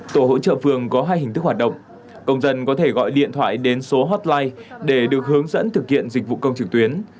tổ hỗ trợ phường có hai hình thức hoạt động công dân có thể gọi điện thoại đến số hotline để được hướng dẫn thực hiện dịch vụ công trực tuyến